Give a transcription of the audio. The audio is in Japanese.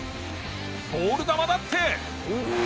ボール球だって。